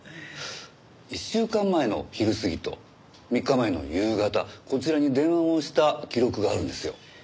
１週間前の昼過ぎと３日前の夕方こちらに電話をした記録があるんですよ。